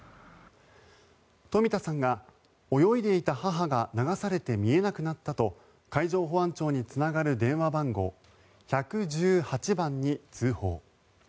冨田さんが、泳いでいた母が流されて見えなくなったと海上保安庁につながる電話番号１１８番に通報。